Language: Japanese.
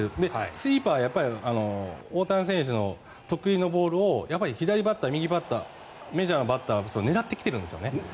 スイーパーは大谷選手の得意のボールを左バッター、右バッターメジャーのバッターは狙ってるんですか？